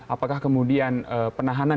apakah kemudian penahanan